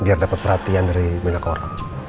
biar dapet perhatian dari milik orang